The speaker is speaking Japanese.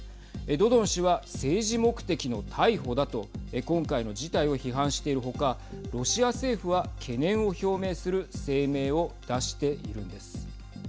ドドン氏は、政治目的の逮捕だと今回の事態を批判しているほかロシア政府は懸念を表明する声明を出しているんです。